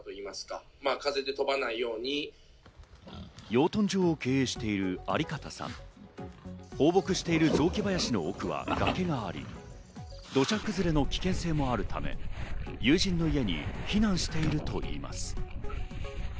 養豚場を経営している有方さん、放牧してる雑木林の奥は崖があり、土砂崩れの危険性もあるため、友人の家に避難しているといいます。